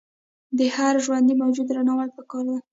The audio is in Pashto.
د هر ژوندي موجود درناوی پکار دی.